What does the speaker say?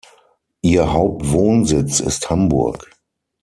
Ihr Hauptwohnsitz ist Hamburg.